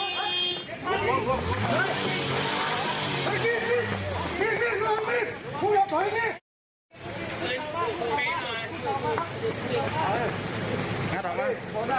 ฉีดอีกฉีดอีก